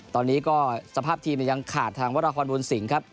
ตอนนี้ก็สภาพทีมยังขาดทางวรคอนบุญสิงห์ครับ